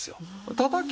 「たたき」